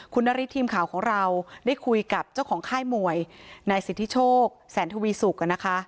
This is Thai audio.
คุณนาริสทีมข่าวของเราได้คุยกับเจ้าของค่ายมวยนายสิทธิโชคแสนทวีสุกนะคะ